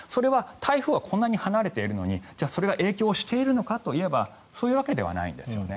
台風がこれだけ離れているのにそれが影響しているのかといえばそういうわけではないんですね。